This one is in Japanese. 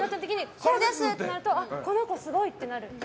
これです！ってなるとこの子すごいってなる。